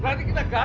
berarti kita gagal